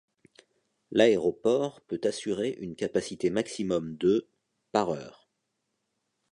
L'aéroport peut assurer une capacité maximum de par heure.